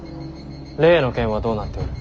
例の件はどうなっておる。